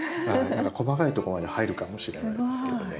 細かいとこまで入るかもしれないですけどね。